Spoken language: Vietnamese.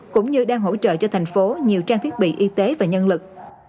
cũng như đang hỗ trợ cho thành phố nhiều trang thiết bị y tế và nhân lực